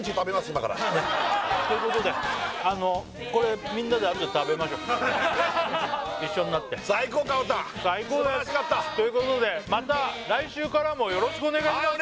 今からということでこれみんなであとで食べましょう一緒になって最高かおたんすばらしかった！ということでまた来週からもよろしくお願いします